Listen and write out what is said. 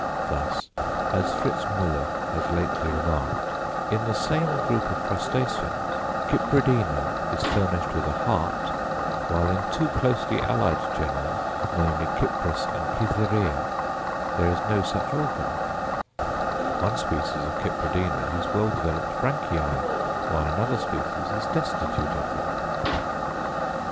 Thus, as Fritz Müller has lately remarked, in the same group of crustaceans, Cypridina is furnished with a heart, while in two closely allied genera, namely Cypris and Cytherea, there is no such organ; one species of Cypridina has well developed branchiæ, while another species is destitute of them.